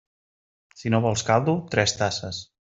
Si no vols caldo, tres tasses.